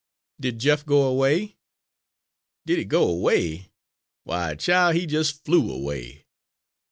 "Did Jeff go away?" "Did he go 'way! Why, chile, he jes' flew away!